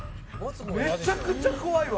めちゃくちゃ怖いわ。